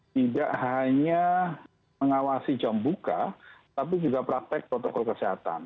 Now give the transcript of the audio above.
tidak hanya mengawasi jam buka tapi juga praktek protokol kesehatan